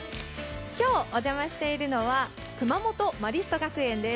今日、お邪魔しているのは熊本マリスト学園です。